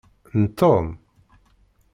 N Tom?